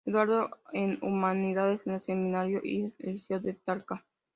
Educado en Humanidades en el Seminario y Liceo de Talca.